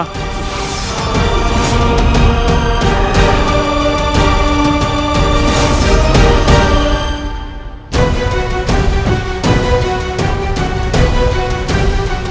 siapa yang membuatku paham